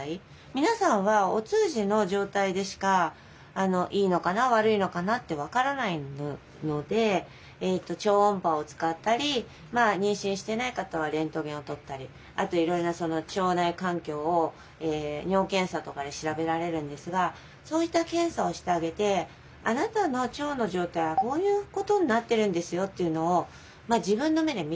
皆さんはお通じの状態でしかいいのかな悪いのかなって分からないので超音波を使ったり妊娠していない方はレントゲンを撮ったりあといろいろな腸内環境を尿検査とかで調べられるんですがそういった検査をしてあげてあなたの腸の状態はこういうことになってるんですよっていうのを自分の目で見て頂くんです。